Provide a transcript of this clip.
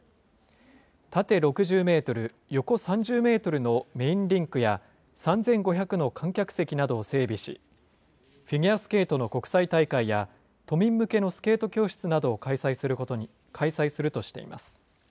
縦６０メートル、横３０メートルのメインリンクや、３５００の観客席などを整備し、フィギュアスケートの国際大会や、都民向けのスケート教室などを開催するとしています。